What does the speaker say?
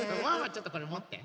ちょっとこれもって。